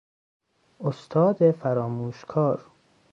استاد فراموشکار